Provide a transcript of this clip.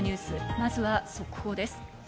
まずは速報です。